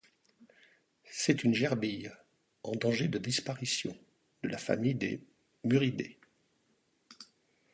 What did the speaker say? C'est une gerbille, en danger de disparition, de la famille des Muridés.